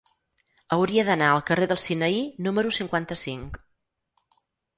Hauria d'anar al carrer del Sinaí número cinquanta-cinc.